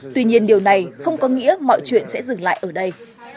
tuy nhiên điều này không có nghĩa mọi chuyện sẽ dừng lại ở đây